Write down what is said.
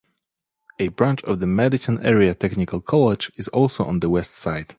A branch of the Madison Area Technical College is also on the west side.